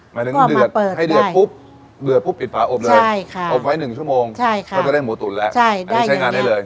หมายถึงให้เดือดปุ๊บปิดปลาอบเลยอบไว้๑ชั่วโมงก็จะได้หมูตุ๋นแล้วใช้งานได้เลย